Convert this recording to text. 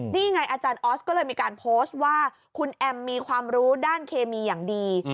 นี่ไงอาจารย์ออสก็เลยมีการโพสต์ว่าคุณแอมมีความรู้ด้านเคมีอย่างดี